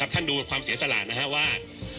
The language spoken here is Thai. ท่านดูความเสียสลัดนะครับว่า